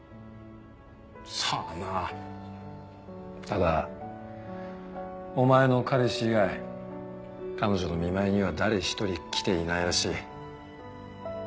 ただお前の彼氏以外彼女の見舞いには誰一人来ていないらしい。